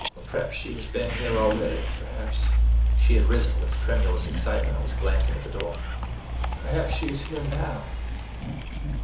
Perhaps she has been here already; perhaps" she had risen with tremulous excitement, and was glancing at the door "perhaps she is here now.